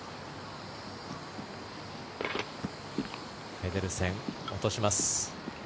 ペデルセン、落とします。